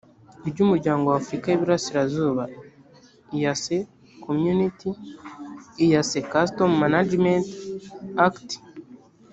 ry umuryango w afurika y iburasirazuba eac community eac customs management act